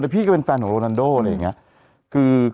พี่ก็เป็นแฟนของโรนันโดอะไรอย่างนี้